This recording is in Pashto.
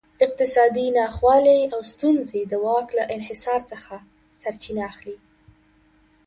اقتصادي ناخوالې او ستونزې د واک له انحصار څخه سرچینه اخلي.